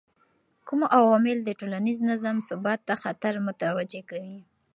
کوم عوامل د ټولنیز نظم ثبات ته خطر متوجه کوي؟